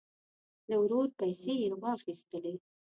د ورور پیسې یې واخیستلې.